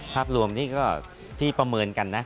ภาพรวมนี่ก็ที่ประเมินกันนะ